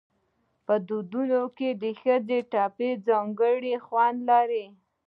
په ودونو کې د ښځو ټپې ځانګړی خوند لري.